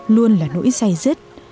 luôn là nỗi dài dứt